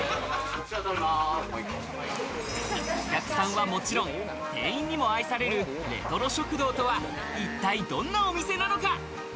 お客さんはもちろん、店員にも愛されるレトロ食堂とは一体どんなお店なのか？